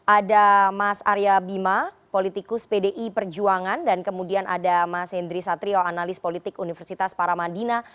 ada mas arya bima politikus pdi perjuangan dan kemudian ada mas hendry satrio analis politik universitas paramadina